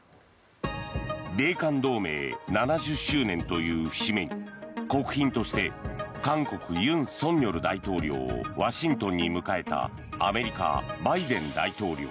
米韓同盟７０周年という節目に国賓として韓国、尹錫悦大統領をワシントンに迎えたアメリカ、バイデン大統領。